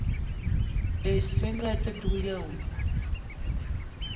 Issinga ite dug èè àwu